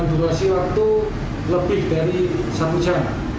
durasi waktu lebih dari satu jam